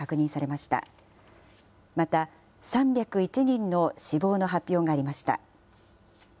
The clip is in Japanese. また３０１人の死亡の発表がありました。